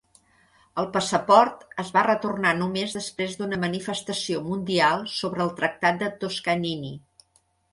El passaport es va retornar només després d'una manifestació mundial sobre el tractat de Toscanini.